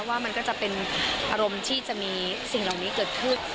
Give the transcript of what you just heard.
ว่ามันก็จะเป็นอารมณ์ที่จะมีสิ่งเหล่านี้เกิดขึ้น